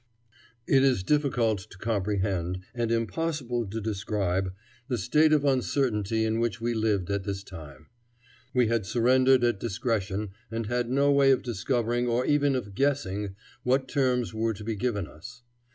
It is difficult to comprehend, and impossible to describe, the state of uncertainty in which we lived at this time. We had surrendered at discretion, and had no way of discovering or even of guessing what terms were to be given us.